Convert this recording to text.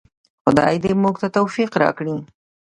خدای دې موږ ته توفیق راکړي؟